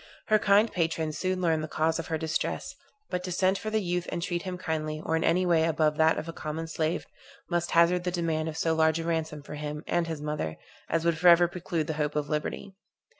Her kind patrons soon learned the cause of her distress; but to send for the youth and treat him kindly, or in any way above that of a common slave, must hazard the demand of so large a ransom for him and his mother, as would forever preclude the hope of liberty.